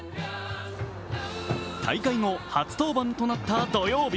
大会後、初登板となった土曜日。